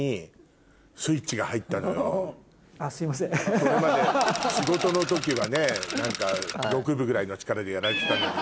それまで仕事の時はね何か６分ぐらいの力でやられてたのにね